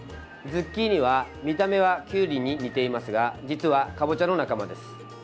ズッキーニは見た目はきゅうりに似ていますが実はかぼちゃの仲間です。